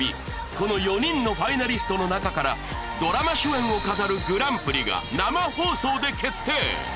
この４人のファイナリストの中からドラマ主演を飾るグランプリが生放送で決定！